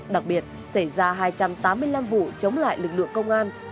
đặc biệt xảy ra hai trăm tám mươi năm vụ chống lại lực lượng công an